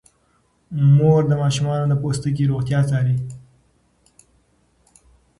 مور د ماشومانو د پوستکي روغتیا څاري.